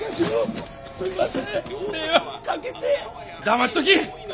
黙っとき。